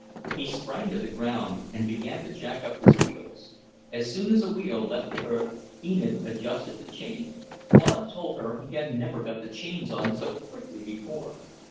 He sprang to the ground and began to jack up his wheels. As soon as a wheel left the earth, Enid adjusted the chain. Claude told her he had never got the chains on so quickly before.